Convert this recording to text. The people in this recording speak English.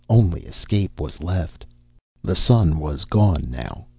Only escape was left. The sun was gone now.